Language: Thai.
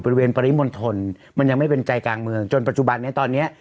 ปริมณฑลมันยังไม่เป็นใจกลางเมืองจนปัจจุบันนี้ตอนเนี้ย